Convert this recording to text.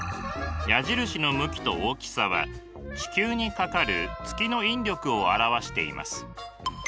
矢印の向きと大きさは地球にかかる月の引力を表しています。